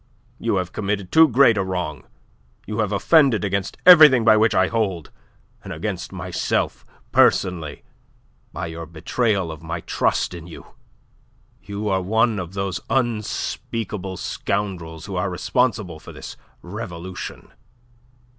You have committed too great a wrong; you have offended against everything by which I hold, and against myself personally, by your betrayal of my trust in you. You are one of those unspeakable scoundrels who are responsible for this revolution."